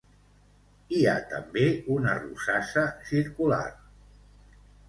Hi ha també una rosassa circular.